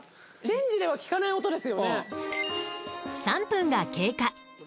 ［３分が経過］